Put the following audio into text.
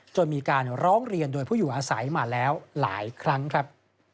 จนมีการร้องเรียนโดยผู้อยู่อาศัยมาแล้วหลายครั้งครับ